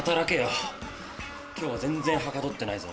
今日は全然はかどってないぞ。